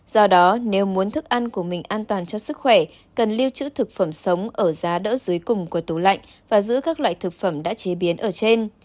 do đó nếu muốn thức ăn của mình an toàn cho sức khỏe cần lưu trữ thực phẩm sống ở giá đỡ dưới cùng của tủ lạnh và giữ các loại thực phẩm đã chế biến ở trên